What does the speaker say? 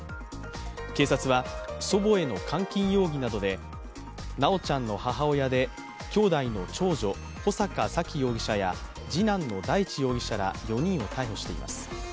警察は祖母への監禁容疑などで、修ちゃんの母親できょうだいの長女・穂坂沙喜容疑者や次男の大地容疑者ら４人を逮捕しています。